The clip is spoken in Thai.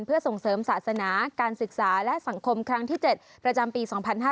เพื่อส่งเสริมศาสนาการศึกษาและสังคมครั้งที่๗ประจำปี๒๕๕๙